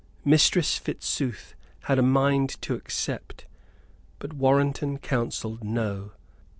Mistress Fitzooth had a mind to accept, but Warrenton counselled no.